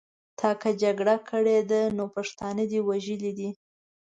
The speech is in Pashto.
تا که جګړه کړې ده نو پښتانه دې وژلي دي.